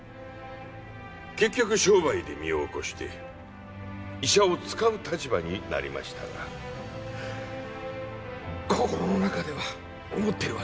結局商売で身を興して医者を使う立場になりましたが心の中では思ってるわけですよ。